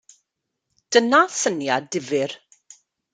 Dyna syniad difyr.